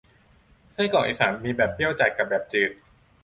ไส้กรอกอีสานมีแบบเปรี้ยวกับแบบจืด